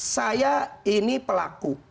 saya ini pelaku